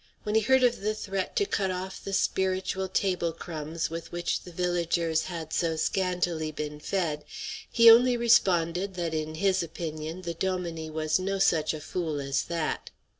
When he heard of the threat to cut off the spiritual table crumbs with which the villagers had so scantily been fed, he only responded that in his opinion the dominie was no such a fool as that.